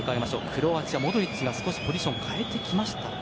クロアチア、モドリッチが少しポジション変えてきましたか